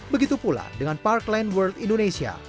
begitu pula dengan parkland world indonesia